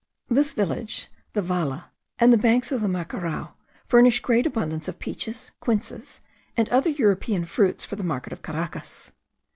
This village, the Valle, and the banks of the Macarao, furnish great abundance of peaches, quinces, and other European fruits for the market of Caracas.